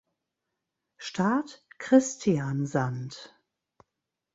Start Kristiansand